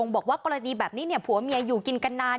บอกว่ากรณีแบบนี้ผัวเมียอยู่กินกันนาน